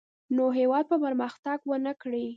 نو هېواد به پرمختګ ونه کړي.